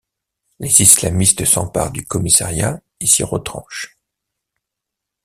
Les islamistes s'emparent du commissariat et s'y retranchent.